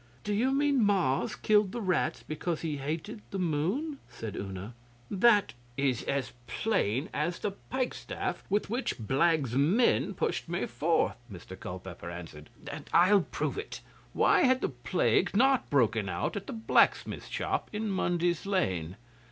Do you mean Mars killed the rats because he hated the Moon?' said Una. 'That is as plain as the pikestaff with which Blagge's men pushed me forth,' Mr Culpeper answered. 'I'll prove it. Why had the plague not broken out at the blacksmith's shop in Munday's Lane?